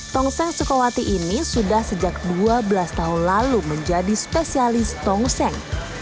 tong seng sukawati ini sudah sejak dua belas tahun lalu menjadi spesialis tong seng